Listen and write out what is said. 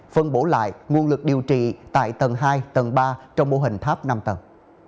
phân bổ lại nguồn lực điều trị tại tầng hai tầng ba trong mô hình tháp năm tầng